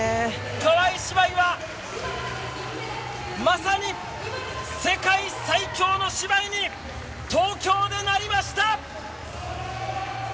川井姉妹はまさに世界最強の姉妹に東京でなりました！